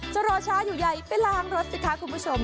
รอช้าอยู่ใหญ่ไปล้างรถสิคะคุณผู้ชม